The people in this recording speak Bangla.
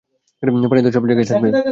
পানি তো সবজায়গায় থাকবেই।